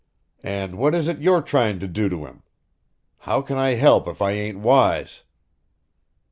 And what is it you're tryin' to do to him? How can I help if I ain't wise?"